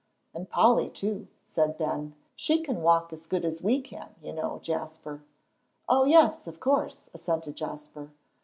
"And Polly, too," said Ben, "she can walk as good as we can, you know, Jasper." "Oh, yes, of course," assented Jasper.